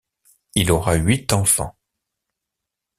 Il aura huit enfants.